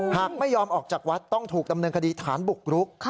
หากไม่ยอมออกจากวัดต้องถูกดำเนินคดีฐานบุกรุก